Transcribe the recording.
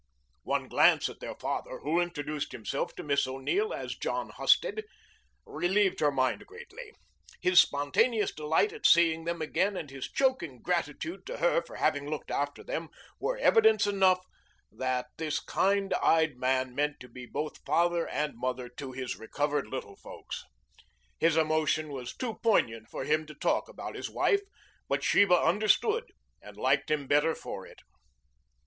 One glance at their father, who introduced himself to Miss O'Neill as John Husted, relieved her mind greatly. His spontaneous delight at seeing them again and his choking gratitude to her for having looked after them were evidence enough that this kind eyed man meant to be both father and mother to his recovered little folks. His emotion was too poignant for him to talk about his wife, but Sheba understood and liked him better for it.